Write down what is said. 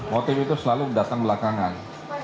motif itu selalu datang belakangan